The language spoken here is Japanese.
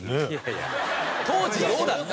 当時どうだった？